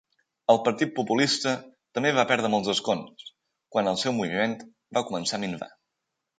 El Partit Populista també va perdre molts escons, quan el seu moviment va començar a minvar.